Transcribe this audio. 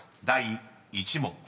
第１問］